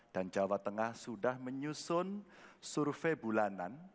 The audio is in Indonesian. dan jawa tengah sudah menyusun survei bulanan